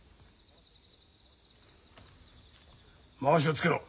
まわしをつけろ。